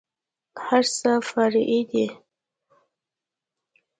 هرڅه فرع دي.